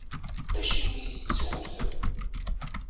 Acimi i tt-tewwtem?